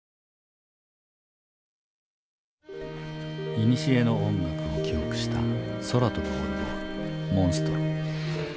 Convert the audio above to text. いにしえの音楽を記憶した空飛ぶオルゴール「モンストロ」。